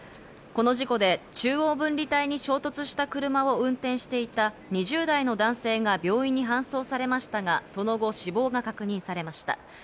この事故で中央分離帯に衝突した車を運転していた２０代の男性が病院に搬送されましたが、その後死亡が確認されました。